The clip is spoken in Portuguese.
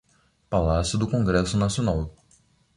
Palácio do Congresso Nacional